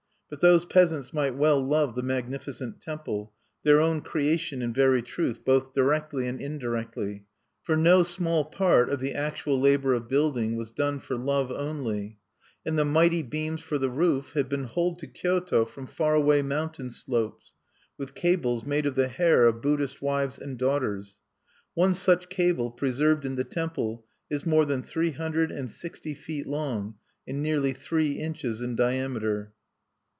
But those peasants might well love the magnificent temple, their own creation in very truth, both directly and indirectly. For no small part of the actual labor of building was done for love only; and the mighty beams for the roof had been hauled to Kyoto from far away mountain slopes, with cables made of the hair of Buddhist wives and daughters. One such cable, preserved in the temple, is more than three hundred and sixty feet long, and nearly three inches in diameter.